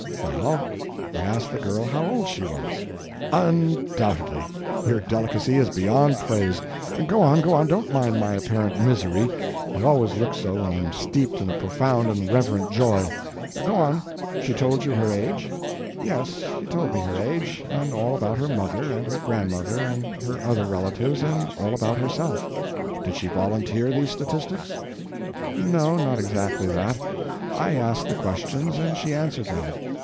"Well, I asked the girl how old she was." "UNdoubtedly. Your delicacy is beyond praise. Go on, go on don't mind my apparent misery I always look so when I am steeped in a profound and reverent joy. Go on she told you her age?" "Yes, she told me her age, and all about her mother, and her grandmother, and her other relations, and all about herself." "Did she volunteer these statistics?" "No, not exactly that. I asked the questions and she answered them."